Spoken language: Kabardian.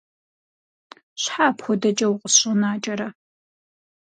Щхьэ апхуэдэкӀэ укъысщӀэнакӀэрэ?